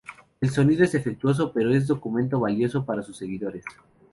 El sonido es defectuoso pero es un documento valioso para sus seguidores.